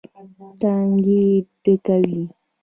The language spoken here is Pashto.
ټانکۍ ډکوي.